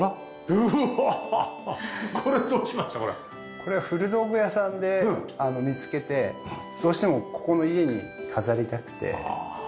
これは古道具屋さんで見つけてどうしてもここの家に飾りたくて。